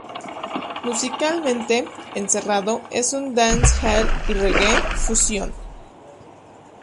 Musicalmente, "Encerrado" es un dancehall y reggae fusión.